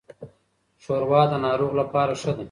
ښوروا د ناروغ لپاره ښه ده.